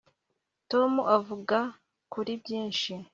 tom avuga kuri byinshi